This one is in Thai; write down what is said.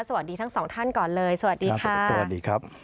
สวัสดีทั้ง๒ท่านก่อนเลยสวัสดีค่ะ